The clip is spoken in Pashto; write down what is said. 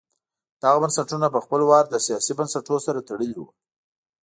دغه بنسټونه په خپل وار له سیاسي بنسټونو سره تړلي وو.